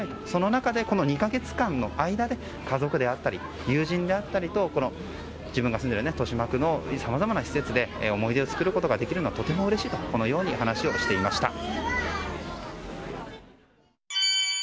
その中で、この２か月間の間で家族であったり友人であったりと自分が住んでいる豊島区のさまざまな施設で思い出を作ることができるのはとてもうれしいとこのように話をしていました。